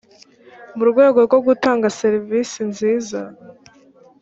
mu rwego rwo gutanga serivisi nziza